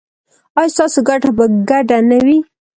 ایا ستاسو ګټه به ګډه نه وي؟